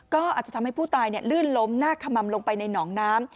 ก็อาจจะทำให้ผู้ตายลื่นล้มหน้าขมัมลงไปในหนองน้ำ